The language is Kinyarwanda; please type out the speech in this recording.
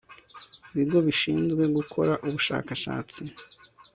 ibigo bishinzwe gukora ubushakashatsi